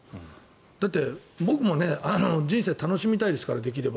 だって、僕も人生楽しみたいですから、できれば。